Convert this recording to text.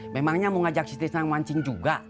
memangnya mau ngajak si tisna mancing juga